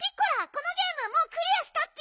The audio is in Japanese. このゲームもうクリアしたッピ。